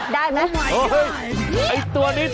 ได้ไหม